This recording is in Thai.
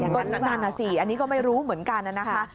อย่างนั้นน่ะสิอันนี้ก็ไม่รู้เหมือนกันน่ะนะคะ